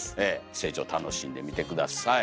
成長楽しんでみて下さい。はい。